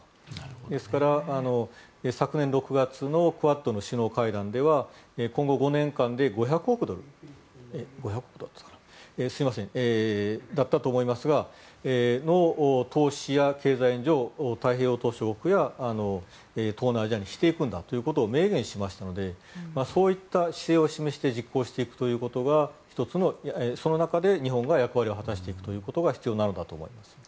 ですから、昨年６月のクアッドの首脳会談では今後５年間で５００億ドルすいませんそうだったと思いますが投資や経済支援を太平洋島しょ国や東南アジアにしていくんだということを明言しましたのでそういった姿勢を示して実行していくこと１つのその中で日本が役割を果たしていくことが必要だと思います。